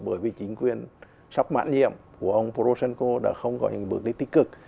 bởi vì chính quyền sắp mãn nhiệm của ông fordoshenko đã không có những bước đi tích cực